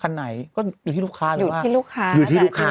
ก็อยู่ที่ลูกค้าหรือว่าอยู่ที่ลูกค้าอยู่ที่ลูกค้าอยู่ที่ลูกค้า